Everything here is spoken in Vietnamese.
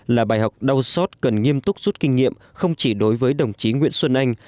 là bài học đau xót cần nghiêm túc rút kinh nghiệm không chỉ đối với đồng chí nguyễn xuân anh